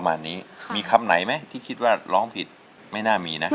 เพื่อขอทยอยส่งคืน